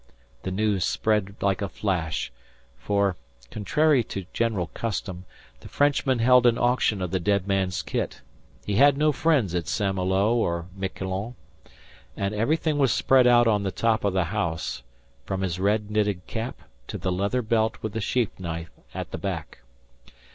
The news spread like a flash, for, contrary to general custom, the Frenchman held an auction of the dead man's kit, he had no friends at St Malo or Miquelon, and everything was spread out on the top of the house, from his red knitted cap to the leather belt with the sheath knife at the back.